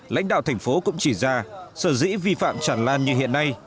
lãnh đạo thành phố cũng chỉ ra sở dĩ vi phạm chẳng lan như hiện nay